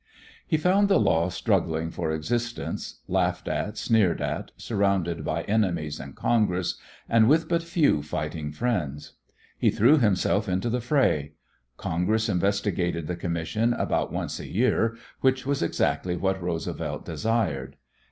He found the law struggling for existence, laughed at, sneered at, surrounded by enemies in Congress, and with but few fighting friends. He threw himself into the fray. Congress investigated the commission about once a year, which was exactly what Roosevelt desired.